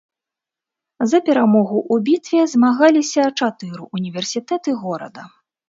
За перамогу ў бітве змагаліся чатыры ўніверсітэты горада.